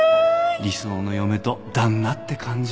理想の嫁と旦那って感じで